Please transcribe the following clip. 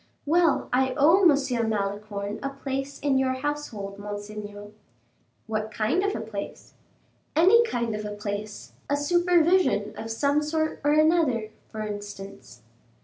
"Well, I owe M. Malicorne a place in your household, monseigneur." "What kind of a place?" "Any kind of a place; a supervision of some sort or another, for instance."